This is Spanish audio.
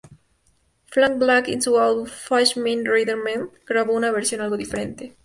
Frank Black en su álbum "Fast Man Raider Man" grabó una versión algo diferente.